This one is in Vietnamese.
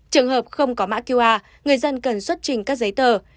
trường hợp không có mã qr người dân cần xuất trình các giấy tờ